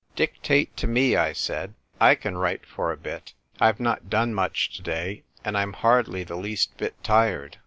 "Dictate to me," I said; "I can write for a bit. I've not done much to day, and I'm hardly the least bit tired."